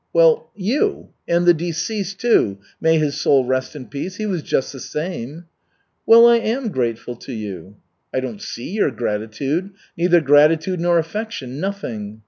"Well, you. And the deceased, too, may his soul rest in peace, he was just the same." "Well, I am grateful to you." "I don't see your gratitude neither gratitude nor affection nothing."